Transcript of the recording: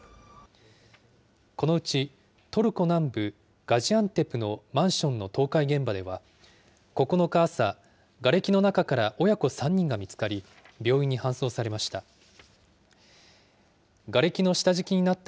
このうち、トルコ南部ガジアンテプのマンションの倒壊現場では、９日朝、がれきの中から親子３人が見つかり、病院に搬送されました。